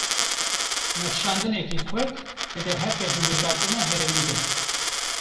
Nirxandineke kurt, di derheqê hilbijartina herêmî de